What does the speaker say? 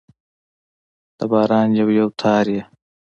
د باران یو، یو تار يې